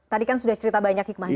tadi kan sudah cerita banyak hikmahnya